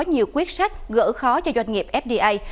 và có nhiều quyết sách gỡ khó cho doanh nghiệp fdi